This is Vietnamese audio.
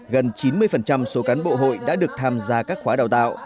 gần chín mươi số cán bộ hội đã được tham gia các khóa đào tạo